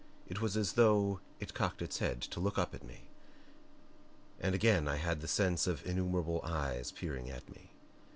It was as though it cocked its head to look up at me and again I had the sense of innumerable eyes peering at me.